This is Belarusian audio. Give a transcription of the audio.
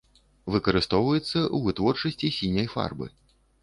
Выкарыстоўваецца ў вытворчасці сіняй фарбы.